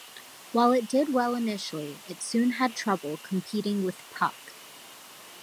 While it did well initially, it soon had trouble competing with "Puck".